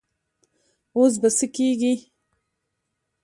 اوس به څه کيږي؟